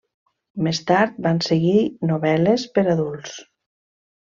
Més tard van seguir novel·les per adults.